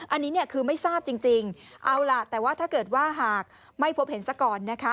อันนี้เนี่ยคือไม่ทราบจริงเอาล่ะแต่ว่าถ้าเกิดว่าหากไม่พบเห็นซะก่อนนะคะ